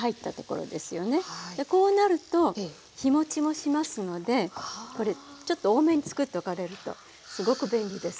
こうなると日もちもしますのでちょっと多めにつくっておかれるとすごく便利です。